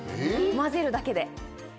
混ぜるだけで。